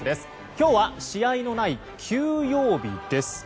今日は試合のない休養日です。